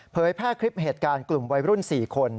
แพร่คลิปเหตุการณ์กลุ่มวัยรุ่น๔คน